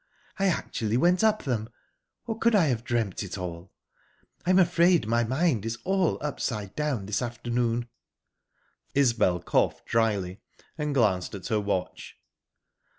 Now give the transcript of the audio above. I actually went up them or could I have dreamt it all? I'm afraid my mind is all upside down this afternoon." Isbel coughed dryly, and glanced at her watch.